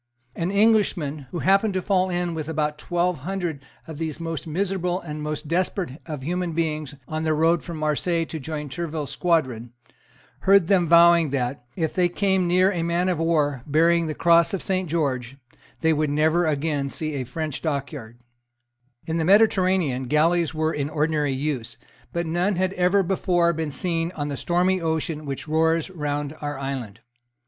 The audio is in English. An Englishman, who happened to fall in with about twelve hundred of these most miserable and most desperate of human beings on their road from Marseilles to join Tourville's squadron, heard them vowing that, if they came near a man of war bearing the cross of Saint George, they would never again see a French dockyard, In the Mediterranean galleys were in ordinary use: but none had ever before been seen on the stormy ocean which roars round our island.